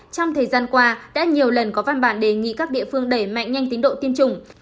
trong thời gian qua đã nhiều lần có văn bản đề nghị các địa phương đẩy mạnh nhanh tiến độ tiêm chủng